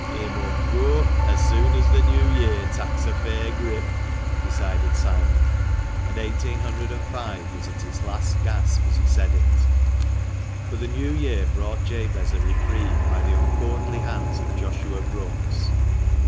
" He mun goo as sune as the new year taks a fair grip," decided Simon, and 1805 was at its last gasp as he said it. But the new year brought Jabez a reprieve by the uncoflrtly hands of Joshua Brookes.